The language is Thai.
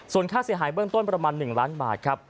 ส่วนค่าเสียหายเบื้องต้นประมาณ๑ล้านบาทครับ